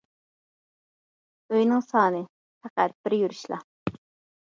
ئۆينىڭ سانى : پەقەت بىر يۈرۈشلا.